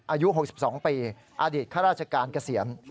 อายุ๖๒ปีอดีตข้าราชการเกษียณ